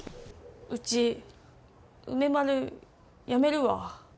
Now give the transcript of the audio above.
ウチ梅丸やめるわ。